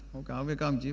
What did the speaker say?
học cáo với cao ổng chí